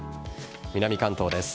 南関東です。